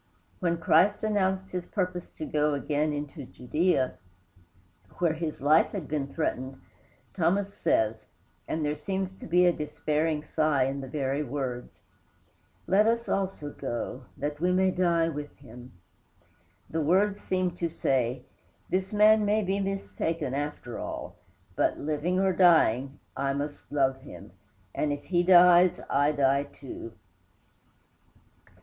When Christ announced his purpose to go again into Judæa, where his life had been threatened, Thomas says, and there seems to be a despairing sigh in the very words, "Let us also go, that we may die with him." The words seemed to say, "this man may be mistaken, after all; but, living or dying, I must love him, and if he dies, I die too."